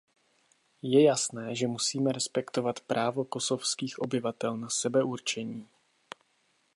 Je jasné, že musíme respektovat právo kosovských obyvatel na sebeurčení.